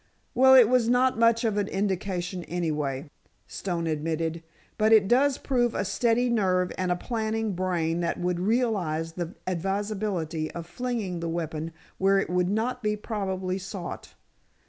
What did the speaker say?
"Well, it was not much of an indication, anyway," Stone admitted, "but it does prove a steady nerve and a planning brain that would realize the advisability of flinging the weapon where it would not be probably sought.